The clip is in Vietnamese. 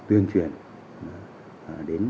tuyên truyền đến